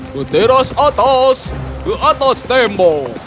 ke teros atas ke atas tembok